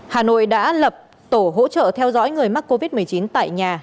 hà nội đã lập tổ hỗ trợ theo dõi người mắc covid một mươi chín tại nhà